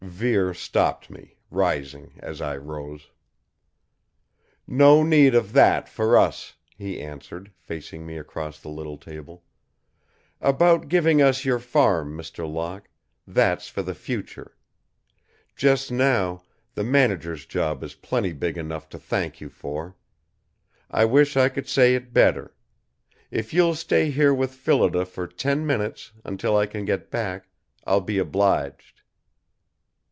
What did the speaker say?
Vere stopped me, rising as I rose. "No need of that, for us," he answered, facing me across the little table. "About giving us your farm, Mr. Locke, that's for the future! Just now, the manager's job is plenty big enough to thank you for. I wish I could say it better. If you'll stay here with Phillida for ten minutes, until I can get back, I'll be obliged."